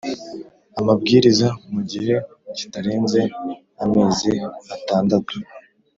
amabwiriza mu gihe kitarenze amezi atandatu